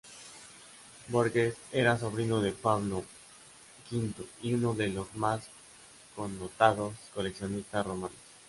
Borghese era sobrino de Pablo V y uno de los más connotados coleccionistas romanos.